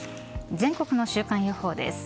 全国の週間予報です。